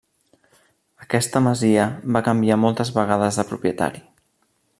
Aquesta masia va canviar moltes vegades de propietari.